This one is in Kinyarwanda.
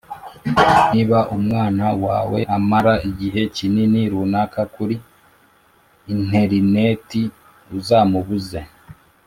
niba umwana wawe amara igihe kinini runaka kuri interineti uzamubuze